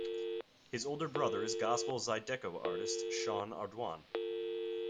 His older brother is Gospel zydeco artist Sean Ardoin.